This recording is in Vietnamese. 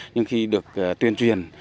nhưng khi được tuyên truyền